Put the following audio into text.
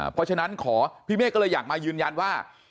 เพราะฉะนั้นขอพี่เมฆก็เลยอยากมายืนยันว่า